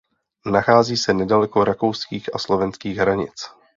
Nachází se nedaleko rakouských a slovenských hranic.